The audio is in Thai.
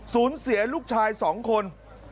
สูญเสียลูกชาย๒คน